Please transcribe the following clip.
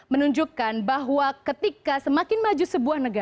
menunjukkan bahwa ketika semakin maju sebuah negara